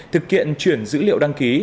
thực hiện chuyển dữ liệu đăng ký